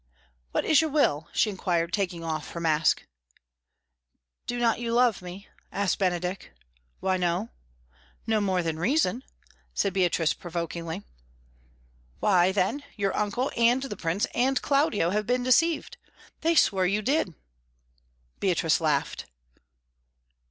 "What is your will?" she inquired, taking off her mask. "Do not you love me?" asked Benedick. "Why, no no more than reason," said Beatrice provokingly. "Why, then, your uncle and the Prince and Claudio have been deceived; they swore you did." Beatrice laughed.